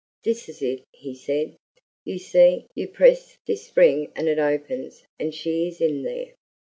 "This is it," he said. "You see, you press this spring and it opens, and she is in there!"